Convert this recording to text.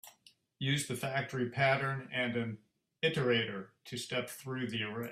Use the factory pattern and an iterator to step through the array.